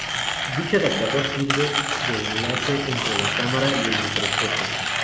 Dicho adaptador sirve de enlace entre la cámara y el microscopio.